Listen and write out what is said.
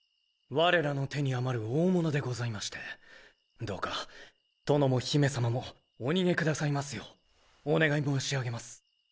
我らの手にあまる大物でございましてどうか殿も姫様もお逃げくださいますようお願い申し上げます。